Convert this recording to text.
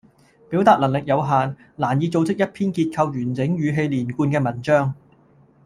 表達能力有限，難以組織一篇結構完整語氣連貫嘅文章